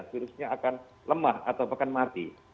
virusnya akan lemah atau akan mati